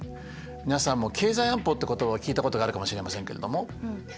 皆さんも「経済安保」っていう言葉を聞いたことがあるかもしれませんけれども。